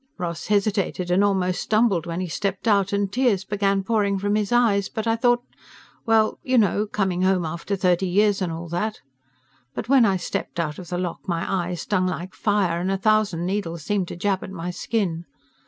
"Ross hesitated and almost stumbled when he stepped out, and tears began pouring from his eyes, but I thought well, you know, coming home after thirty years and all that. But when I stepped out of the lock, my eyes stung like fire and a thousand needles seemed to jab at my skin.